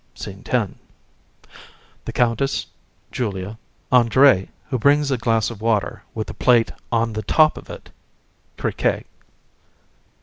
SCENE X. THE COUNTESS, JULIA, ANDRÉE (who brings a glass of water, with a plate on the top of it), CRIQUET.